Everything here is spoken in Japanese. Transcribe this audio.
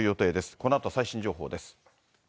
このあと最新情報です。